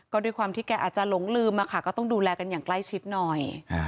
ก็ด้วยความที่แกอาจจะหลงลืมก็ต้องดูแลกันอย่างใกล้ชิดหน่อย